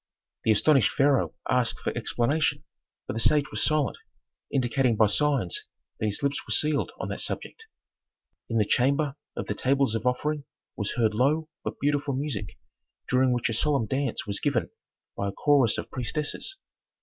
The astonished pharaoh asked for explanation, but the sage was silent, indicating by signs that his lips were sealed on that subject. In the chamber of the "tables of offering" was heard low but beautiful music, during which a solemn dance was given by a chorus of priestesses.